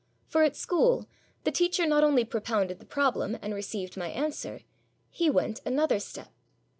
For at school the teacher not only propounded the problem, and received my answer; he went another step.